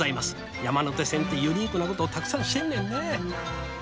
山手線ってユニークなことたくさんしてんねんね。